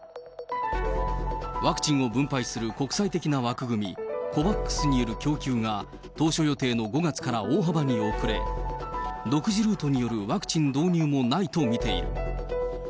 ワクチンを分配する国際的な枠組み、ＣＯＶＡＸによる供給が当初予定の５月から大幅に遅れ、独自ルートによるワクチン導入もないと見ている。